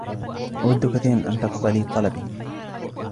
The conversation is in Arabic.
أود كثيراً أن تقبل طلبي.